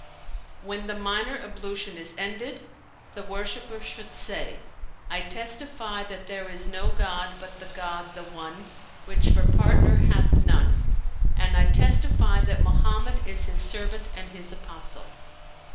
When the minor ablution is ended, the worshipper should say, I testify that there is no god but the God, the One, which for partner hath none, and I testify that Mohammed is His servant and His apostle.